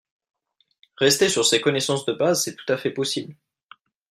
Rester sur ces connaissances de base, c'est tout à fait possible